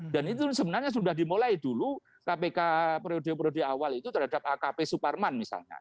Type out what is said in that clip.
dan itu sebenarnya sudah dimulai dulu kpk periode periode awal itu terhadap akp suparman misalnya